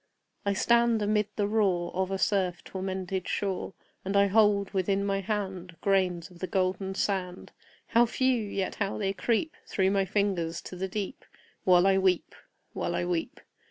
I stand amid the roar Of a surf tormented shore, And I hold within my hand Grains of the golden sand How few! yet how they creep Through my fingers to the deep While I weep while I weep!